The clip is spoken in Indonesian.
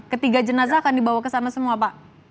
ketiga jenazah akan dibawa kesana semua pak